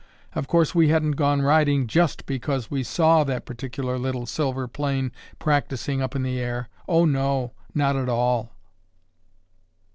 Of course we hadn't gone riding just because we saw that particular little silver plane practicing up in the air—oh, no—not at all!"